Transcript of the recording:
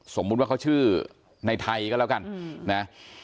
สมมุติว่าเขาชื่อในไทยก็แล้วกันนะ